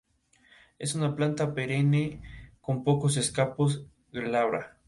El restaurante Taifas cuenta con platos más habituales.